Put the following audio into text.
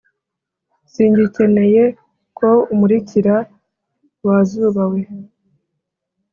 Singikeneye ko umurikira wazuba we